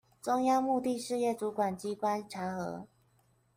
中央目的事業主管機關查核